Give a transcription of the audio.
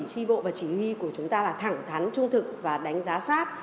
tri bộ và chỉ huy của chúng ta là thẳng thắn trung thực và đánh giá sát